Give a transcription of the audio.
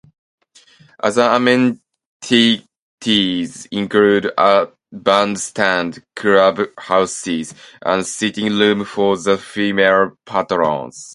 Other amenities included a bandstand, clubhouses, and sitting rooms for the female patrons.